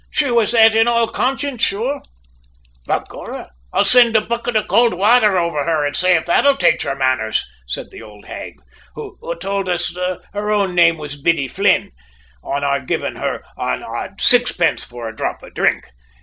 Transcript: She was that in all conscience, sure. "`Begorrah, I'll sind a bucket of could wather over her an' say if that'll tach her manners!' said the ould hag, who tould us her own name was Biddy Flynne, on our giving her an odd sixthpence for a dhrop of drink.